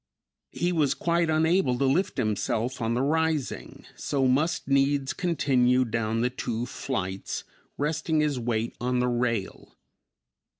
He was quite unable to lift himself on the rising, so must needs continue down the two flights, resting his weight on the rail.